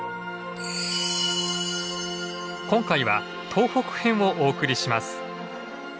今回は東北編をお送りします。